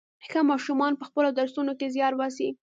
ښه ماشومان په خپلو درسونو کې زيار باسي.